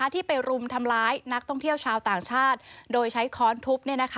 ที่ไปรุมทำร้ายนักท่องเที่ยวชาวต่างชาติโดยใช้ค้อนทุบ